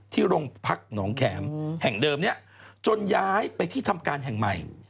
ที่โรงพักหนองแขมแห่งเดิมนี้จนย้ายไปที่ทำการแห่งใหม่